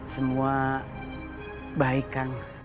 semua baik kang